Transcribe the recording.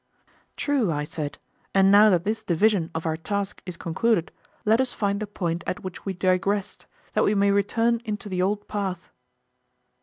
True, I said; and now that this division of our task is concluded, let us find the point at which we digressed, that we may return into the old path.